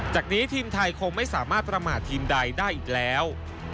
จากนี้ทีมไทยคงไม่สามารถประมาททีมใดได้อีกแล้ว